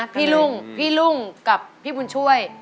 พี่ลุงกับพี่บุญช่วย